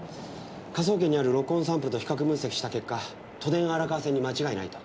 科捜研にある録音サンプルと比較分析した結果都電荒川線に間違いないと。